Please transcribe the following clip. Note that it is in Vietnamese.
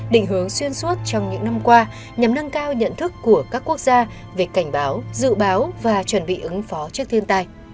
định hướng xuyên suốt trong những năm qua nhằm nâng cao nhận thức của các quốc gia về cảnh báo dự báo và chuẩn bị ứng phó trước thiên tai